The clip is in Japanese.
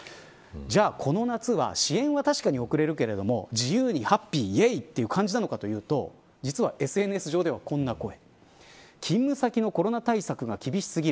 じゃあ、この夏は支援は確かにおくれるけれども自由にハッピーいえーいという感じなのかというと実はＳＮＳ上ではこんな声。